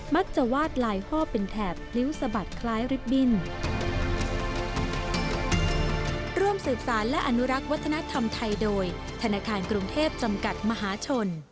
วาดลายห้อเป็นแถบนิ้วสะบัดคล้ายริบบิ้น